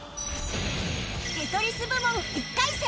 『テトリス』部門１回戦